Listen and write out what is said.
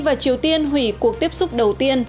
và triều tiên hủy cuộc tiếp xúc đầu tiên